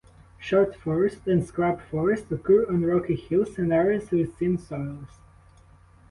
Short forest and scrub forest occur on rocky hills and areas with thin soils.